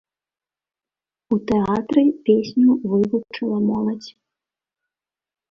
У тэатры песню вывучыла моладзь.